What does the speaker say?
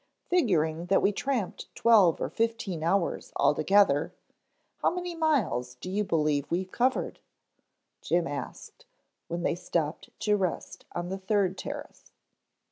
"Figuring that we tramped twelve or fifteen hours all together, how many miles do you believe we covered?" Jim asked when they stopped to rest on the third terrace.